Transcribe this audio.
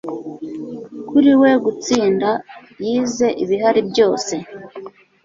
kuri we gutsinda. yize ibihari byose